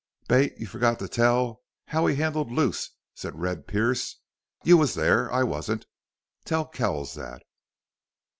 "Bate, you forgot to tell how he handled Luce," said Red Pearee. "You was there. I wasn't. Tell Kells that."